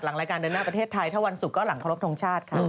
หลังรายการเดินหน้าประเทศไทยถ้าวันสุดก็หลังธรรมชาติค่ะ